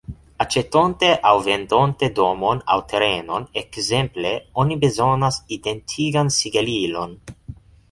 Aĉetonte aŭ vendonte domon aŭ terenon, ekzemple, oni bezonas identigan sigelilon.